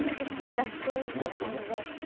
ガチ恋みたいな感じで。